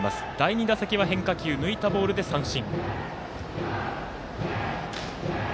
第２打席は変化球抜いたボールで三振。